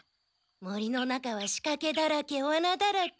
森の中はしかけだらけワナだらけ。